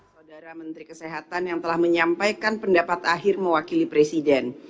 saudara menteri kesehatan yang telah menyampaikan pendapat akhir mewakili presiden